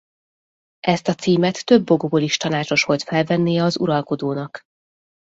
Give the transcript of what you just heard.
Ezt a címet több okból is tanácsos volt felvennie az uralkodónak.